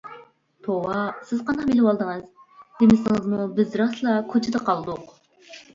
-توۋا سىز قانداق بىلىۋالدىڭىز؟ دېمىسىڭىزمۇ بىز راسلا كوچىدا قالدۇق.